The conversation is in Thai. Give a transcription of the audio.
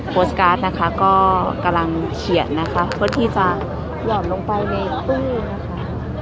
โพสต์การ์ดนะคะก็กำลังเขียนนะคะเพื่อที่จะหย่อนลงไปในตู้นะคะ